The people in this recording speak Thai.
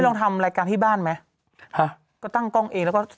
ต้องใส่แมสแล้วก็พี่ไประวังขนาดนี้